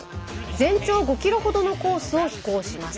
全長５ｋｍほどのコースを飛行します。